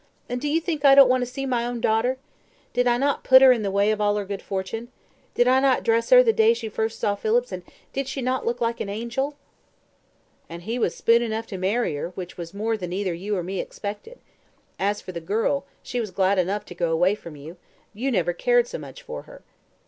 And do you think I don't want to see my own daughter? Did not I put her in the way of all her good fortune? Did not I dress her the day she first saw Phillips, and did not she look like a angel?" "And he was spoon enough to marry her, which was more than either you or me expected. As for the girl, she was glad enough to go away from you; you never cared so much for her."